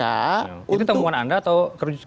itu temuan anda atau kerja kita